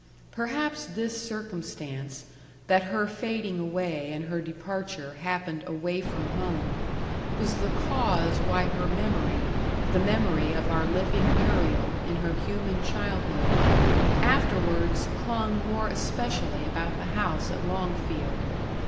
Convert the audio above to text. Perhaps this circumstance, that her fading away and her departure happened away from home, was the cause why her memory the memory of our living Muriel, in her human childhood afterwards clung more especially about the house at Longfield.